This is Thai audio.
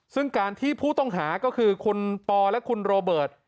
ซึ่งการที่ผู้ต้องหาก็คือคุณปอและคุณโรเบิร์ต